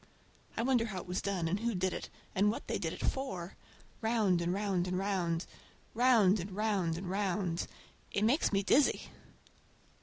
I wonder how it was done and who did it, and what they did it for. Round and round and round—round and round and round—it makes me dizzy!